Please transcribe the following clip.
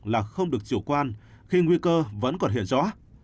là không được chủ quan khi nguy cơ vẫn còn hiện rõ